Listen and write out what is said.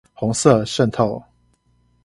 紅色滲透